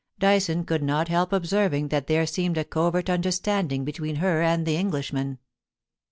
Dyson could not help observing that there seemed a covert understanding between her and the Englishman.